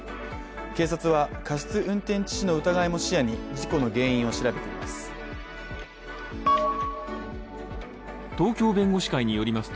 警察は過失運転致死の疑いも視野に事故の原因を調べています。